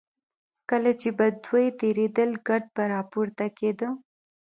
کله چې به دوی تېرېدل ګرد به راپورته کېده.